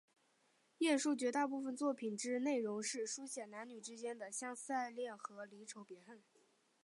晏殊绝大部分作品之内容是抒写男女之间的相思爱恋和离愁别恨。